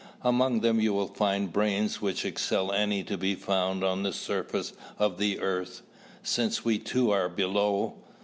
Among them you will find brains which excel any to be found on the surface of the earth, since we two are below.